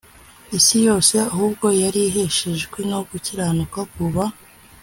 isi yose ahubwo yariheshejwe no gukiranuka kuva